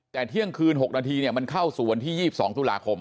แต่เที่ยงคืน๖นาทีมันเข้าสู่วันที่๒๒ตุลาคม